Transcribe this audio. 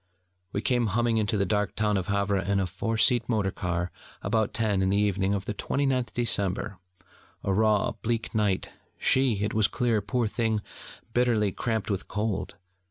We came humming into the dark town of Havre in a four seat motor car about ten in the evening of the 29th December: a raw bleak night, she, it was clear, poor thing, bitterly cramped with cold.